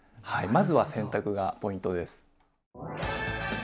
はい。